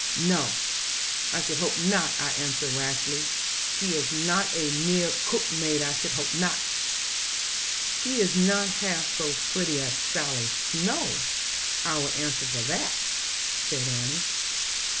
'No, I should hope not,' I answered rashly; 'she is not a mere cook maid I should hope.' 'She is not half so pretty as Sally Snowe; I will answer for that,' said Annie.